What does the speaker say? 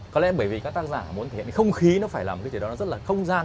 có lẽ bởi vì các tác giả muốn thể hiện cái không khí nó phải là một cái gì đó rất là không gian